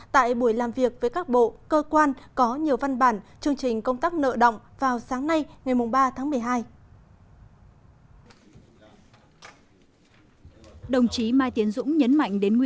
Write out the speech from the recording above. tại buổi làm việc với các bộ cơ quan có nhiều văn bản chương trình công tác nợ động vào sáng nay ngày ba tháng một mươi hai